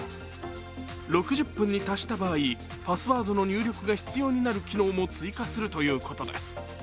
６０分に達した場合、パスワードの入力が必要になる機能も追加するということです。